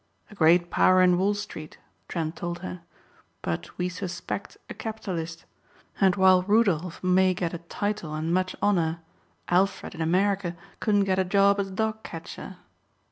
"A great power in Wall Street," Trent told her, "but we suspect a capitalist; and while Rudolph may get a title and much honor, Alfred in America couldn't get a job as dog catcher."